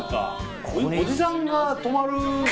おじさんが泊まる。